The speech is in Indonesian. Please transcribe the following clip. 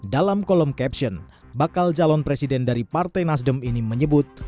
dalam kolom caption bakal calon presiden dari partai nasdem ini menyebut